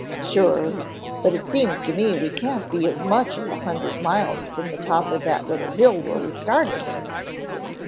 "Sure, but it seems to me we can't be as much as a hundred miles from the top of that little hill, where we started.